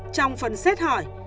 trong phần xét hỏi